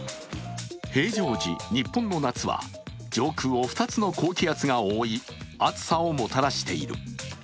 平常時、日本の夏は上空を２つの高気圧が覆い暑さをもたらしている。